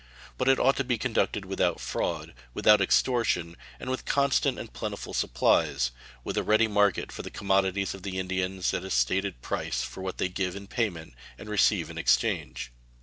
But it ought to be conducted without fraud, without extortion, with constant and plentiful supplies, with a ready market for the commodities of the Indians and a stated price for what they give in payment and receive in exchange.